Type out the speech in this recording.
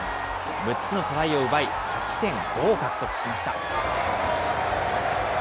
６つのトライを奪い、勝ち点５を獲得しました。